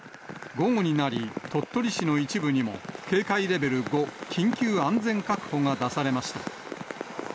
午後になり、鳥取市の一部にも警戒レベル５、緊急安全確保が出されました。